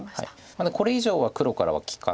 これ以上は黒からは利かないので。